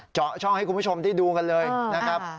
เจาะช่องให้คุณผู้ชมได้ดูกันเลยนะครับ